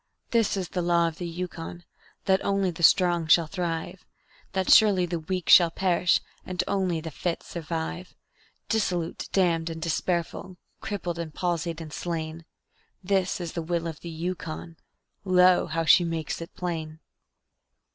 This is the Law of the Yukon, that only the Strong shall thrive; That surely the Weak shall perish, and only the Fit survive. Dissolute, damned and despairful, crippled and palsied and slain, This is the Will of the Yukon, Lo, how she makes it plain!